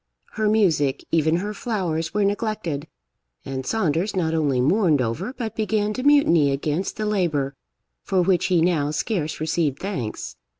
Her music, even her flowers, were neglected, and Saunders not only mourned over, but began to mutiny against, the labour for which he now scarce received thanks.